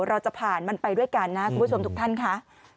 เราจะผ่านมันไปด้วยกันนะคุณผู้ชมทุกท่านค่ะ